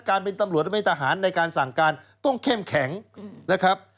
การเป็นตำรวจหรือไม่ทหารในการสั่งการต้องเข้มแข็งนะครับ